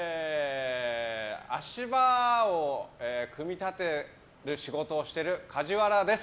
足場を組み立てる仕事をしてる梶原です。